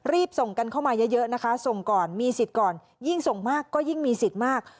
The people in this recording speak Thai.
รีบส่งกันเข้ามาเยอะนะคะส่งก่อนมีสิทธิ์ก่อนยิ่งส่งมากก็ยิ่งมีสิทธิ์มาก